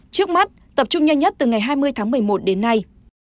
trước mắt tập trung nhanh nhất từ ngày hai mươi tháng một mươi một đến nay